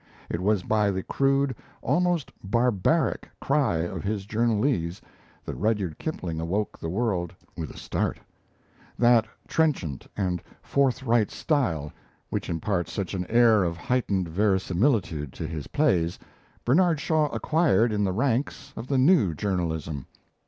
It was by the crude, almost barbaric, cry of his journalese that Rudyard Kipling awoke the world with a start. That trenchant and forthright style which imparts such an air of heightened verisimilitude to his plays, Bernard Shaw acquired in the ranks of the new journalism.